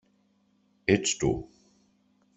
Ets tu.